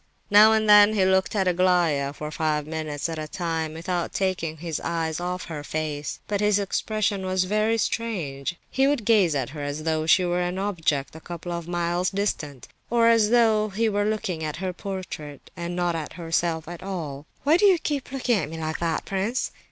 Now and then he looked at Aglaya for five minutes at a time, without taking his eyes off her face; but his expression was very strange; he would gaze at her as though she were an object a couple of miles distant, or as though he were looking at her portrait and not at herself at all. "Why do you look at me like that, prince?"